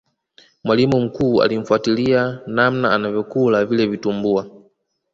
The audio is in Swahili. mwalimu mkuu alimfuatilia namna anavyokula vile vitumbua